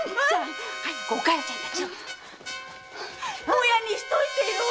ボヤにしといてよ！